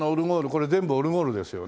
これ全部オルゴールですよね？